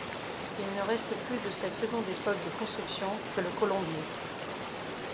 Il ne reste plus de cette seconde époque de construction que le colombier.